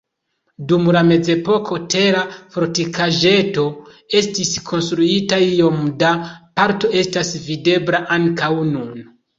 Dum la mezepoko tera fortikaĵeto estis konstruita, iom da parto estas videbla ankaŭ nun.